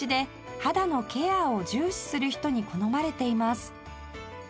肌のケアを重視する人に好まれています